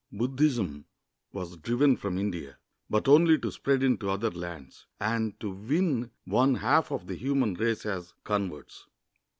Buddhism was driven from India, but only to spread into other lands, and to win one half of the human race as converts.